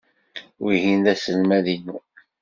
Wihin d aselmad-inu.